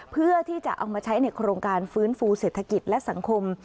เพื่อที่จะเอามาใช้ในโครงการฟื้นฟูเศรษฐกิจและสังคม